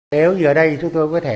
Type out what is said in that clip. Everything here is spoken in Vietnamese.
nếu như ở đây chúng tôi có thể